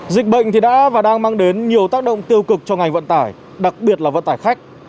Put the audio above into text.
dịch bệnh thì đã và đang mang đến nhiều tác động tiêu cực cho ngành vận tải đặc biệt là vận tải khách